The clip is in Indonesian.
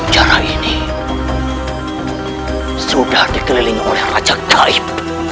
jara ini sudah dikelilingi oleh raja gaib